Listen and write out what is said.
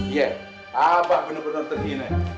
iya abah bener bener terhina